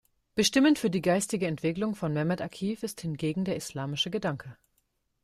Bestimmend für die geistige Entwicklung von Mehmet Akif ist hingegen der islamische Gedanke.